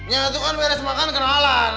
ya itu kan beres makan kenalan